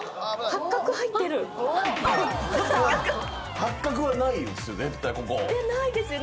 八角はないですよ